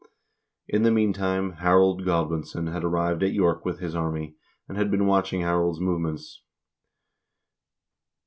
In the meantime Harold Godwinson had arrived at York with his army, and had been watching Harald's movements.